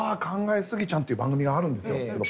「考えすぎちゃん」っていう番組があるんですよ。